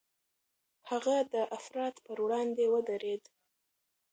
هغه د افراط پر وړاندې ودرېد.